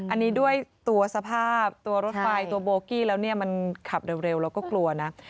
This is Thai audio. อันนี้ด้วยตัวสภาพตัวรถไฟตัวโบกี้แล้วเนี่ยมันขับเร็วเราก็กลัวนะ